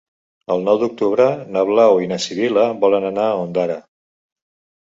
El nou d'octubre na Blau i na Sibil·la volen anar a Ondara.